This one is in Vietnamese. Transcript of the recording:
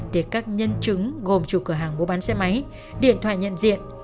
để các nhân chứng gồm chủ cửa hàng mua bán xe máy điện thoại nhận diện